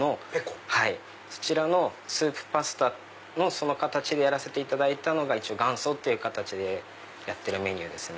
そちらのスープパスタのその形でやらせていただいたのが元祖っていう形でやってるメニューですね。